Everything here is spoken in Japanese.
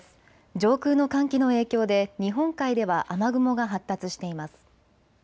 上空の寒気の影響で日本海では雨雲が発達しています。